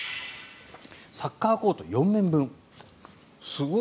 サッカーコート４面分。